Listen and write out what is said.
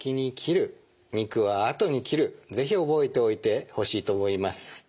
是非覚えておいてほしいと思います。